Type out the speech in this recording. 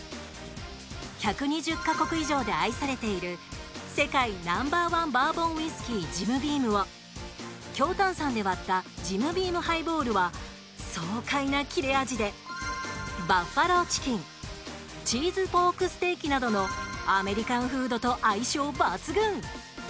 １２０か国以上で愛されている世界ナンバーワンバーボンウイスキージムビームを強炭酸で割ったジムビームハイボールは爽快な切れ味でバッファローチキンチーズポークステーキなどのアメリカンフードと相性抜群。